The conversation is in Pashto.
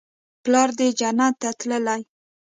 پلار دې جنت ته تللى.